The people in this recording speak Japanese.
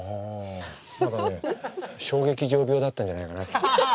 何かね小劇場病だったんじゃないかな。